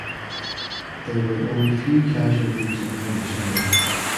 There were only few casualties on either side.